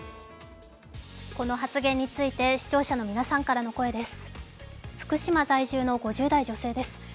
この発言について視聴者の皆さんからの声です。